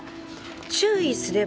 「注意すれば勝つ。